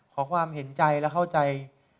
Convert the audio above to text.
ขอความเห็นใจและเข้าใจ